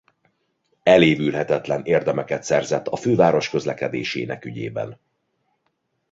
Elévülhetetlen érdemeket szerzett a főváros közlekedésének ügyében.